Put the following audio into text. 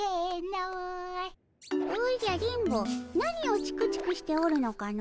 おじゃ電ボ何をチクチクしておるのかの？